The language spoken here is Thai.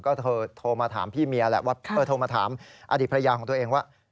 ก็โทรมาถามพี่เมียแหละว่าโทรมาถามอดีตภรรยาของตัวเองว่า